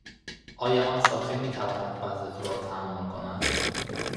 آیا آن شاخه میتواند وزن تو را تحمل کند؟